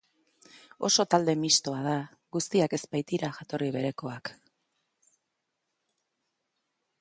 Oso talde mistoa da, guztiak ez baitira jatorri berekoak.